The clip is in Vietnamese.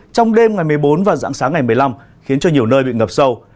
trong đêm ngày một mươi bốn và dạng sáng ngày một mươi năm khiến cho nhiều nơi bị ngập sâu